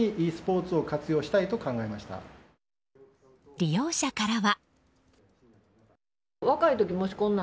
利用者からは。